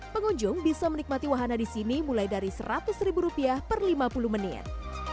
pengunjung bisa menikmati wahana di sini mulai dari seratus ribu rupiah per lima puluh menit